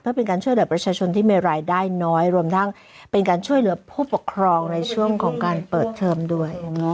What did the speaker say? เพื่อเป็นการช่วยเหลือประชาชนที่มีรายได้น้อยรวมทั้งเป็นการช่วยเหลือผู้ปกครองในช่วงของการเปิดเทอมด้วย